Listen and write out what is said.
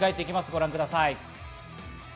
ご覧ください。